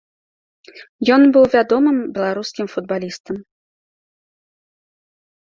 Ён быў вядомым беларускім футбалістам.